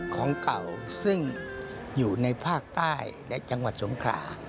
ของเก่าซึ่งอยู่ในภาคใต้และจังหวัดสงขลา